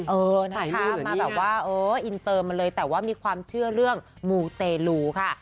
เออนะคะมาแบบว่าเอออินเตอร์มาเลยแต่ว่ามีความเชื่อเรื่องมูเตลูค่ะ